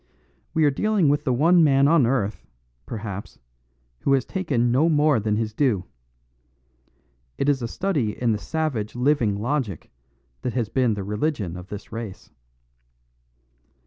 We are dealing with the one man on earth, perhaps, who has taken no more than his due. It is a study in the savage living logic that has been the religion of this race.